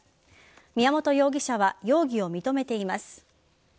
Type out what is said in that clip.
宮本容疑者は容疑を認めています。